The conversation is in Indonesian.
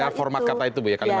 ada format kata itu bu ya